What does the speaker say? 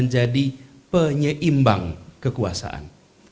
ini juga memiliki sebuah keimbang kekuasaan